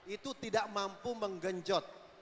itu tidak mampu menggenjot